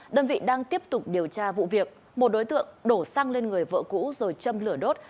đơn vị đang tiếp tục điều tra vụ việc một đối tượng đổ xăng lên người vợ cũ rồi châm lửa đốt